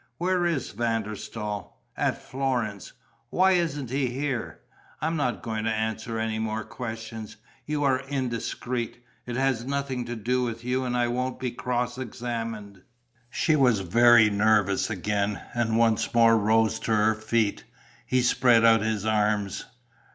"Where is Van der Staal?" "At Florence." "Why isn't he here?" "I'm not going to answer any more questions. You are indiscreet. It has nothing to do with you and I won't be cross examined." She was very nervous again and once more rose to her feet. He spread out his arms.